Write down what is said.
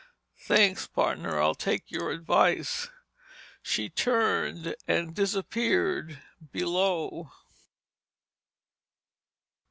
"Thanks, partner, I'll take your advice." She turned and disappeared below.